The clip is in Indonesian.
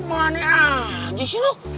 kemana aja sih lu